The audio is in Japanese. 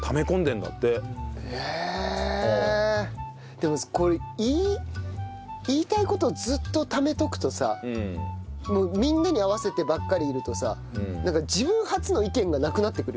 でもさこれ言いたい事をずっとためとくとさみんなに合わせてばっかりいるとさなんか自分発の意見がなくなってくるよね。